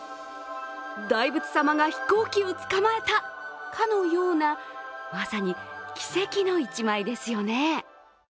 大仏様が飛行機を捕まえたかのようなまさに奇跡の１枚ですよね。